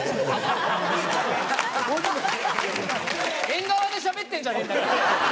縁側でしゃべってんじゃねえ